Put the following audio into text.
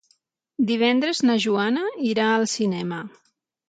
Divendres na Joana irà al cinema.